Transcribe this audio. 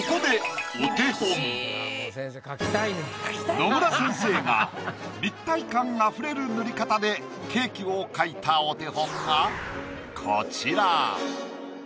野村先生が立体感溢れる塗り方でケーキを描いたお手本がこちら。